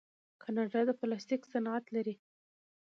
کاناډا د پلاستیک صنعت لري.